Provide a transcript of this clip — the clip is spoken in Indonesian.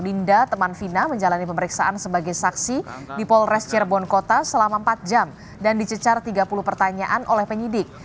dinda teman fina menjalani pemeriksaan sebagai saksi di polres cirebon kota selama empat jam dan dicecar tiga puluh pertanyaan oleh penyidik